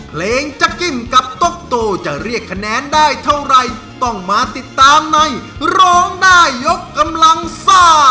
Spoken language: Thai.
จักกิ้มกับตกโตจะเรียกคะแนนได้เท่าไรต้องมาติดตามในร้องได้ยกกำลังซ่า